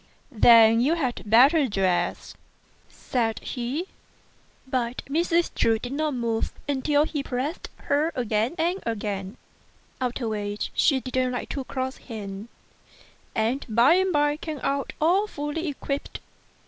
"Then you had better dress," said he; but Mrs. Chu did not move until he pressed her again and again, after which she did not like to cross him, and by and by came out all fully equipped.